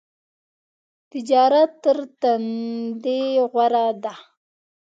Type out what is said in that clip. تجارت تر دندی غوره ده .